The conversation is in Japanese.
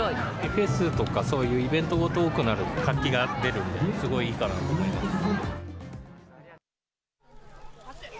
フェスとかそういうイベントごと多くなると、活気が出るんで、すごいいいかなと思います。